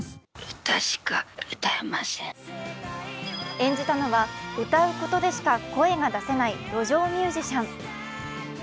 演じたのは、歌うことでしか声が出せない路上ミュージシャン。